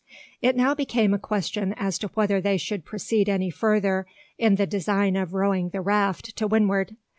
It now became a question as to whether they should proceed any further in the design of rowing the raft to windward.